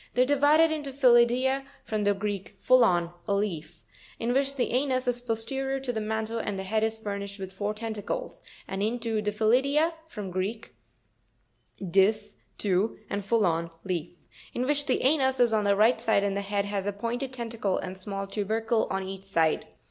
They are divided into PHyLirpra (from the Greek, phullon, a leaf), in which the anus is posterior to the mantle, and the head is furnished with four tentacles ; and into Drenytuipra (from the Greek, dis, two, and phullon, leaf), in which the anus is on the right side, and the head has a pointed tentacle, and small tubercle on each side.